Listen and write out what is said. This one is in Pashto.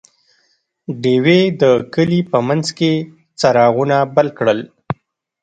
ډیوې د کلي په منځ کې څراغونه بل کړل.